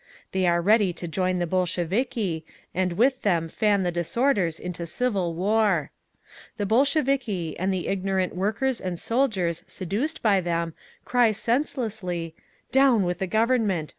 They are ready to join the Bolsheviki, and with them fan the disorders into civil war. "The Bolsheviki and the ignorant soldiers and workers seduced by them cry senselessly: 'Down with the Government!